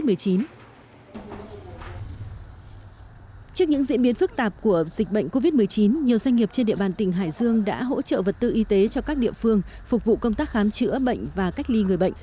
trước những diễn biến phức tạp của dịch bệnh covid một mươi chín nhiều doanh nghiệp trên địa bàn tỉnh hải dương đã hỗ trợ vật tư y tế cho các địa phương phục vụ công tác khám chữa bệnh và cách ly người bệnh